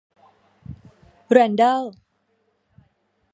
แรนดัลล์